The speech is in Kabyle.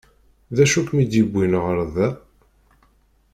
D acu i kem-id-yewwin ɣer da?